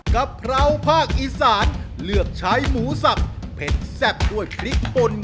กะเพราอีสานครับผม